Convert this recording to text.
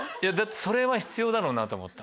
それは必要だろうなと思った。